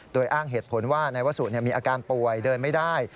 โดยอ้างเหตุผลว่านายวสุมีอาการป่วยเดินไม่ได้